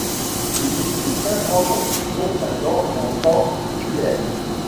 Il dispute quinze rencontres, dont quatorze en tant titulaire.